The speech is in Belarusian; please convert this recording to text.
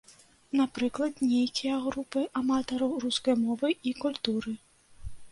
Напрыклад, нейкія групы аматараў рускай мовы і культуры.